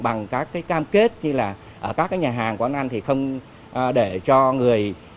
bằng các cam kết như là các nhà hàng quán ăn không để cho người